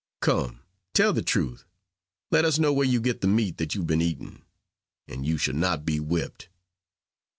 Come, tell the truth, let us know where you get the meat that you have been eating, and you shall not be whipped."